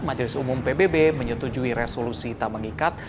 majelis umum pbb menyetujui resolusi tak mengikat